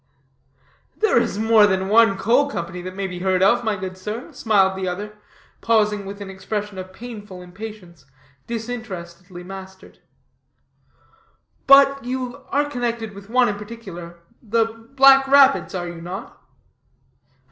"There is more than one Coal Company that may be heard of, my good sir," smiled the other, pausing with an expression of painful impatience, disinterestedly mastered. "But you are connected with one in particular. The 'Black Rapids,' are you not?"